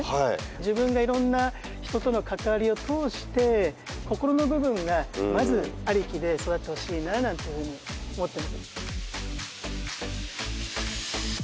自分がいろんな人との関わりを通して心の部分がまずありきで育ってほしいななんて思っております。